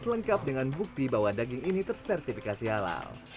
lengkap dengan bukti bahwa daging ini tersertifikasi halal